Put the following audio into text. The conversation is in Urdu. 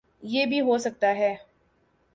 یہ بھی ہوسکتا ہے